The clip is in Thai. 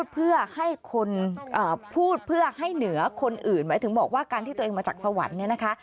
เพื่อให้คนพูดเพื่อให้เหนือคนอื่นหมายถึงบอกว่าการที่ตัวเองมาจากสวรรค์เนี่ยนะคะ